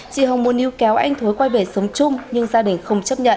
chị hồng muốn yêu kéo anh thối quay về sống chung nhưng gia đình không chấp nhận